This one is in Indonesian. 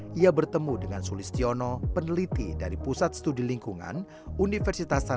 pada tahun dua ribu sepuluh ia bertemu dengan sulistiono peneliti dari pusat studi lingkungan universitas anggrek